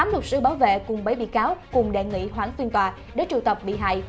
tám luật sư bảo vệ cùng bảy bị cáo cùng đề nghị hoãn phiên tòa để triều tập bị hại